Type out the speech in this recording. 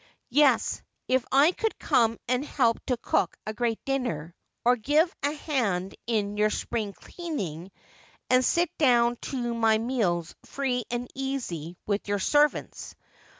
' Yes, if I could come and help to cook a great dinner, or give a hand in your spring cleaning, and sit down to my meals free and easy with your servants.